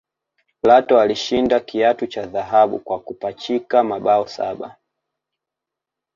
Lato alishinda kiatu cha dhahabu kwa kupachika mabao saba